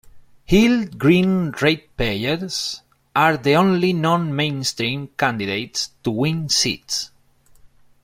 Heald Green Ratepayers are the only non-mainstream candidates to win seats.